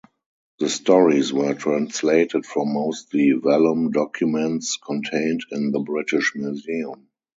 The stories were translated from mostly vellum documents contained in the British Museum.